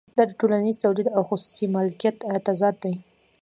دا د ټولنیز تولید او خصوصي مالکیت تضاد دی